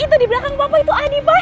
itu di belakang bapak itu adi pak